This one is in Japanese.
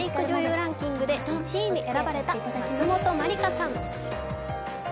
ランキングで１位に選ばれた松本まりかさん。